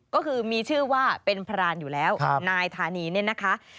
ก็คือมีชื่อว่าเป็นพรานอยู่แล้วนายธานีเนี่ยนะคะ